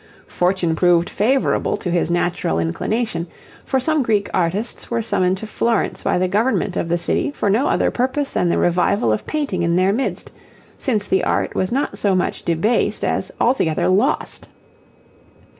Fortune proved favourable to his natural inclination, for some Greek artists were summoned to Florence by the government of the city for no other purpose than the revival of painting in their midst, since the art was not so much debased as altogether lost.